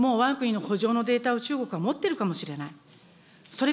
もうわが国のほ場のデータを中国は持ってるかもしれない。